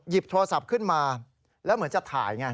โทรศัพท์ขึ้นมาแล้วเหมือนจะถ่ายไง